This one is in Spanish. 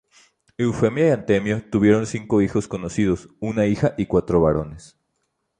Eufemia y Antemio tuvieron cinco hijos conocidos, una hija y cuatro varones.